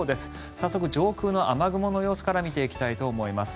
早速、上空の雨雲の様子から見ていきたいと思います。